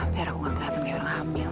biar aku gak kelihatan kayak orang hamil